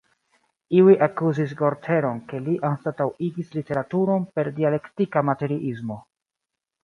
Iuj akuzis Gorter-on, ke li anstataŭigis literaturon per dialektika materiismo.